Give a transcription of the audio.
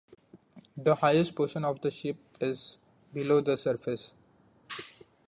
The highest portion of the ship is below the surface.